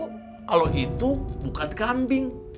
kalo itu bukan kambing